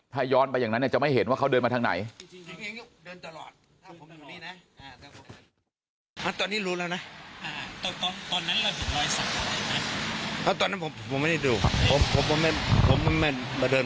ถ้าย้อนไปอย่างนั้นจะไม่เห็นว่าเขาเดินมาทางไหน